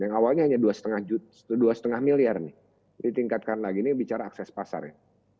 yang awalnya hanya dua lima miliar nih ditingkatkan lagi nih bicara akses pasarnya